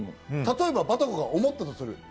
例えばバタコが思ったとする。